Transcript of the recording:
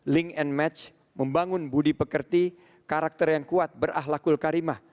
link and match membangun budi pekerti karakter yang kuat berahlakul karimah